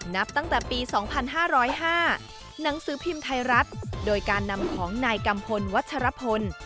นับตั้งแต่ปี๒๕๐๕หนังสือพิมพ์ไทยรัฐโดยการนำของนายกัมพลวัชรพล